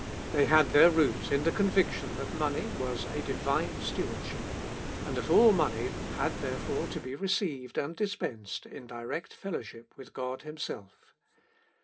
They had their root in the conviction that money was a Divine stewardship, and that all money had therefore to be received and dispensed in direct fellowship with God Himself.